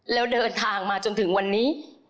แล้วเดินทางมาจนถึงวันนี้